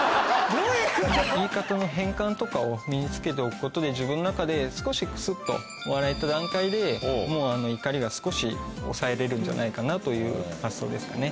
言い方の変換とかを身に付けておくことで自分の中で少しクスっと笑えた段階でもう怒りが少し抑えれるんじゃないかなという発想ですかね。